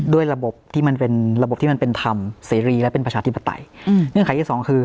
ด้วยระบบที่มันเป็นธรรมสิริและเป็นประชาธิปไตย